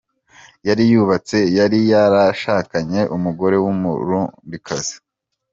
Yari yubatse, yari yarashakanye umugore w’umurundikazi.